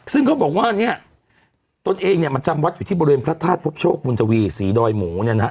ซึ่งเขาบอกว่าเนี่ยตนเองเนี่ยมาจำวัดอยู่ที่บริเวณพระธาตุพบโชคบุญทวีศรีดอยหมูเนี่ยนะฮะ